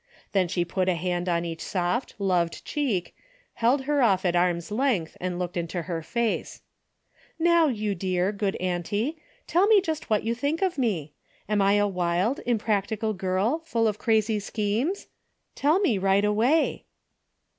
Then she put a hand on each soft, loved cheek, held her off at arm's length and looked into |ier face. '' Kow, you dear, good auntie, tell me just what you think of me ? Am I a wild, im practical girl, full of crazy schemes ? Tell me right 'away."